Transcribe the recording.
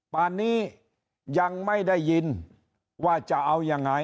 ป่านนี้ยังไม่ได้ยินว่าจะเอายังไง